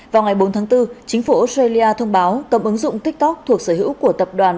vào ngày bốn tháng bốn chính phủ australia thông báo cấm ứng dụng tiktok thuộc sở hữu của tập đoàn